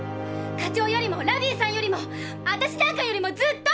課長よりもラビィさんよりも私なんかよりもずっと！